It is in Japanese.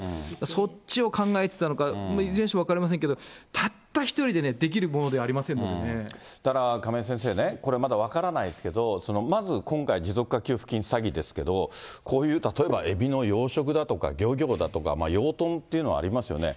そっちを考えてたのか、いずれにしても分かりませんけど、たった一人でね、できるものではだから亀井先生ね、これまだ分からないんですけど、まず今回、持続化給付金詐欺ですけど、こういう例えば、エビの養殖だとか漁業だとか、養豚っていうのはありますよね。